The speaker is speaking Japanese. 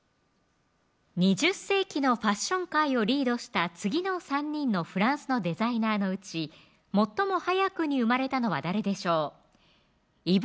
２０世紀のファッション界をリードした次の３人のフランスのデザイナーのうち最も早くに生まれたのは誰でしょうイヴ・